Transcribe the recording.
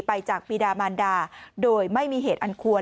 จากปีดามันดาโดยไม่มีเหตุอันควร